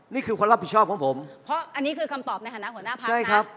นี่คือความรับผิดชอบของผมเพราะอันนี้คือคำตอบในฐานะหัวหน้าพักใช่ครับ